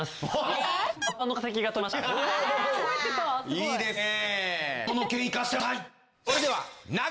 おいいですね。